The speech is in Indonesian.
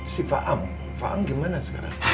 si faam faam gimana sekarang